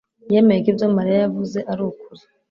yemeye ko ibyo mariya yavuze ari ukuri